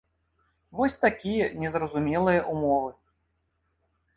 Вось такія незразумелыя ўмовы.